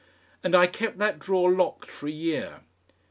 And I kept that drawer locked for a year.